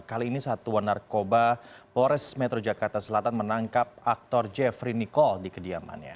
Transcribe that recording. kali ini satuan narkoba polres metro jakarta selatan menangkap aktor jeffrey nicole di kediamannya